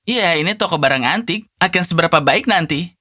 ya ini toko barang anti akan seberapa baik nanti